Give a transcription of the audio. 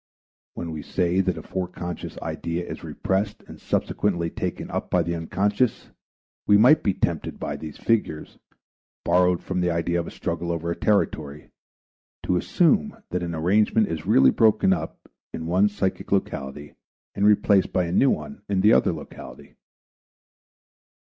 When we say that a foreconscious idea is repressed and subsequently taken up by the unconscious, we might be tempted by these figures, borrowed from the idea of a struggle over a territory, to assume that an arrangement is really broken up in one psychic locality and replaced by a new one in the other locality.